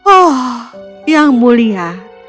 oh yang mulia